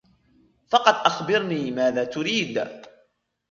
فقط أخبرني ماذا تريد.